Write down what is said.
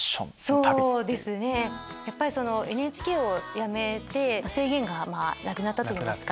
ＮＨＫを辞めて制限がなくなったといいますか。